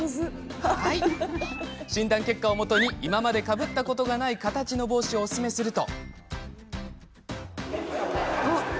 診断結果をもとに今までかぶったことがない形の帽子をおすすめすると。